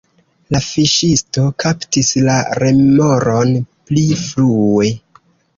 La fiŝisto kaptis la remoron pli frue.